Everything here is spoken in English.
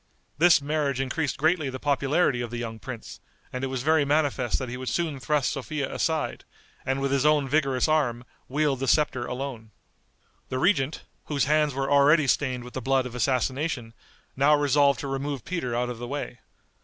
This marriage increased greatly the popularity of the young prince, and it was very manifest that he would soon thrust Sophia aside, and with his own vigorous arm, wield the scepter alone. The regent, whose hands were already stained with the blood of assassination, now resolved to remove Peter out of the way.